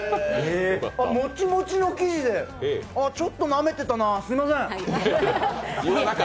もちもちの生地でちょっとなめてたな、すいません。